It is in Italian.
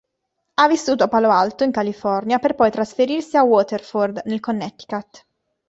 Ha vissuto a Palo Alto, in California, per poi trasferirsi a Waterford, nel Connecticut.